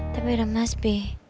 tapi ada mas b